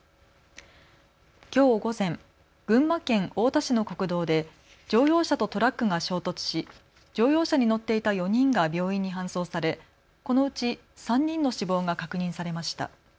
きょう午前、群馬県太田市の国道で乗用車とトラックが衝突し乗用車に乗っていた４人が病院に搬送され、このうち３人の死亡が確認されました。